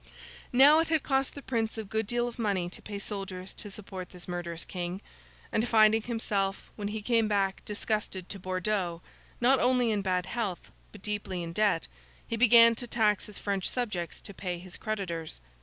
Now, it had cost the Prince a good deal of money to pay soldiers to support this murderous King; and finding himself, when he came back disgusted to Bordeaux, not only in bad health, but deeply in debt, he began to tax his French subjects to pay his creditors.